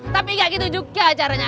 tapi gak gitu juga caranya